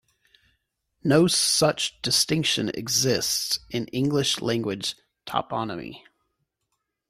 No such distinction exists in English-language toponymy.